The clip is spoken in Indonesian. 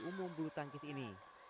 memantau program audisi umum bulu tangkis ini